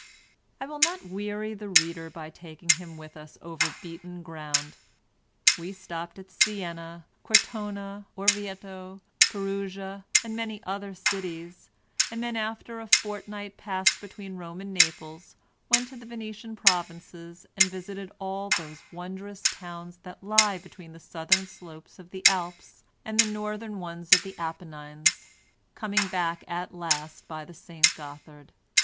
I will not weary the reader by taking him with us over beaten ground. We stopped at Siena, Cortona, Orvieto, Perugia and many other cities, and then after a fortnight passed between Rome and Naples went to the Venetian provinces and visited all those wondrous towns that lie between the southern slopes of the Alps and the northern ones of the Apennines, coming back at last by the S. Gothard.